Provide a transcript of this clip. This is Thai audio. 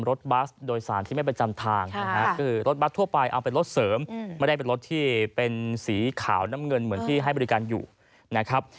รถบัสโดยสารที่ไม่ประจำทางนะฮะคือรถบัสทั่วไปเอาเป็นรถเสริมไม่ได้เป็นรถที่เป็นสีขาวน้ำเงินเหมือนที่ให้บริการอยู่นะครับ